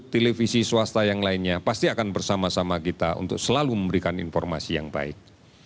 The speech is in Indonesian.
televisi swasta yang lainnya pasti akan bersama sama kita untuk selalu memberikan informasi yang baik